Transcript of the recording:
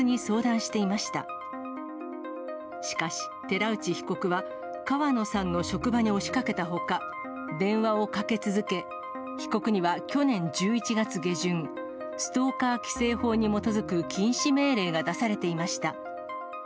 しかし、寺内被告は、川野さんの職場に押しかけたほか、電話をかけ続け、被告には去年１１月下旬、ストーカー規制法に基づく禁止命令が出されていました。